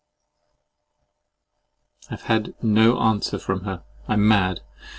P—— I have no answer from her. I'm mad.